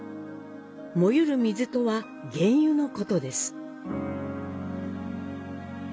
燃ゆる水とは、原油のことです。